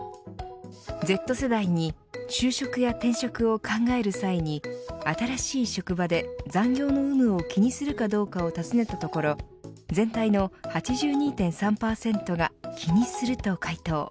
Ｚ世代に就職や転職を考える際に新しい職場で残業の有無を気にするかどうかを尋ねたところ全体の８２．３％が気にすると回答。